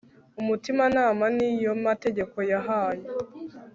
umutima-nama ni yo mategeko yahaye